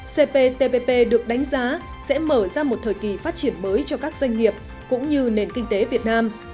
cptpp được đánh giá sẽ mở ra một thời kỳ phát triển mới cho các doanh nghiệp cũng như nền kinh tế việt nam